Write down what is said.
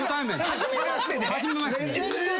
初めましてで。